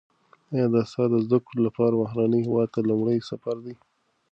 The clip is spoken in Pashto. ایا دا ستا د زده کړو لپاره بهرني هیواد ته لومړنی سفر دی؟